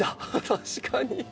確かに。